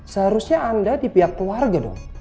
seharusnya anda di pihak keluarga dong